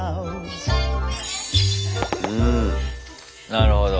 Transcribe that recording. なるほど。